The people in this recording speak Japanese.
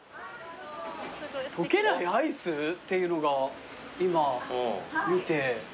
溶けないアイスっていうのが今見て。